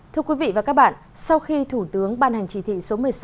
thưa quý vị và các bạn sau khi thủ tướng ban hành chỉ thị số một mươi sáu